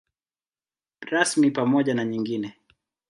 Rasmi pamoja na nyingine.